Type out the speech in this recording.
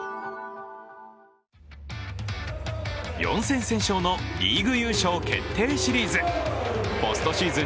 ４戦先勝のリーグ優勝決定シリーズ。